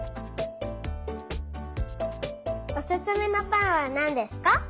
おすすめのぱんはなんですか？